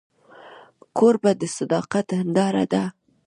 کوربه د صداقت هنداره ده.